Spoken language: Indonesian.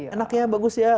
enaknya bagus ya